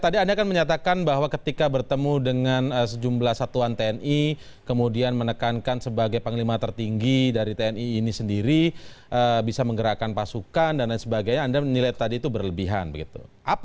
tadi anda kan menyatakan bahwa ketika bertemu dengan sejumlah satuan tni kemudian menekankan sebagai panglima tertinggi dari tni ini sendiri bisa menggerakkan pasukan dan lain sebagainya anda menilai tadi itu berlebihan begitu